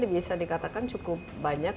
bisa dikatakan cukup banyak